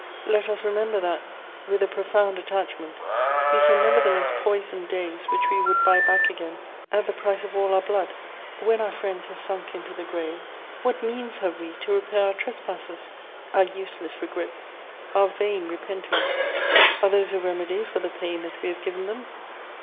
Let us remember that, with a profound attachment, we can nevertheless poison days which we would buy back again at the price of all our blood. When our friends have sunk into the grave, what means have we to repair our trespasses? Our useless regrets, our vain repentings, are those a remedy for the pain that we have given them?